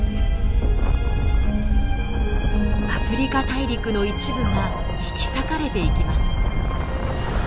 アフリカ大陸の一部が引き裂かれていきます。